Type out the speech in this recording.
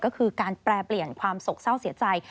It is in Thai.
ก็คือการแปรเปลี่ยนความสกเศร้าเสียใจ